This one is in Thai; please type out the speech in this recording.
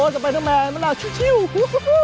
จะไปทำไมมันอาจชิวฮู้ฮู้ฮู้